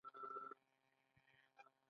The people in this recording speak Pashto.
دا د اسلامي معمارۍ شاهکارونه دي.